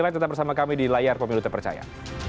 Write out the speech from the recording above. lain tetap bersama kami di layar pemilu terpercaya